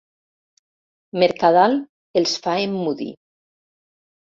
Mercadal, els fa emmudir.